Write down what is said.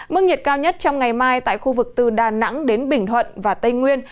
mức nhiệt cao nhất trong ngày mai tại khu vực từ đà nẵng đến bình thuận và tây nguyên